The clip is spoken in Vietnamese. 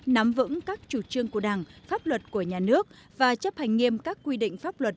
nắm vững các chủ trương của đảng pháp luật của nhà nước và chấp hành nghiêm các quy định pháp luật